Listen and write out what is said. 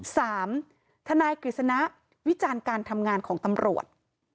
ทนายกฤษณะวิจารณ์การทำงานของตำรวจ